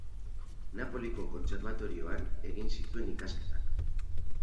Napoliko Kontserbatorioan egin zituen ikasketak.